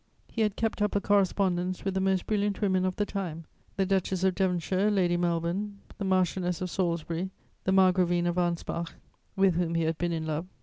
He had kept up a correspondence with the most brilliant women of the time: the Duchess of Devonshire, Lady Melbourne, the Marchioness of Salisbury, the Margravine of Anspach, with whom he had been in love.